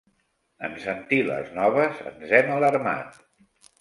En sentir les noves ens hem alarmat.